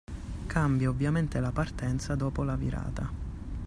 Cambia ovviamente la partenza dopo la virata.